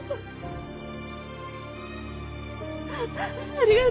ありがとう。